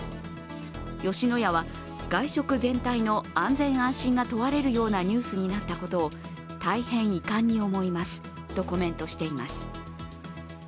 吉野家は外食全体の安全・安心が問われるようなニュースになったことを大変遺憾に思いますとコメントしています。